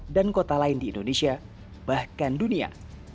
dan kota lain di indonesia bahkan dunia